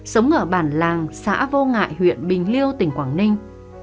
sống ở bản làng xã vô ngại huyện bình liêu tỉnh quảng ninh